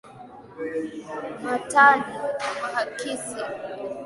Bhatandu Bhasikwa Bhashora Bhatyama Bhamangi na Bhambogo